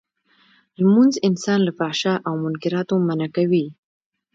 لمونځ انسان له فحشا او منکراتو منعه کوی.